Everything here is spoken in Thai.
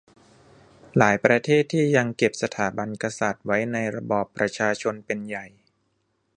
หลายประเทศที่ยังเก็บสถาบันกษัตริย์ไว้ในระบอบประชาชนเป็นใหญ่